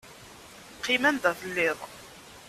Qqim anda telliḍ!